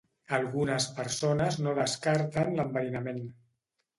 Algunes persones no descarten l'enverinament.